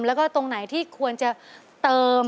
แล้วก็ตรงไหนที่ควรจะเติม